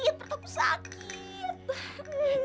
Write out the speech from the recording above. menurut aku sakit